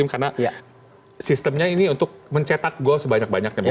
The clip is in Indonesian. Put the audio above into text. karena sistemnya ini untuk mencetak gol sebanyak banyak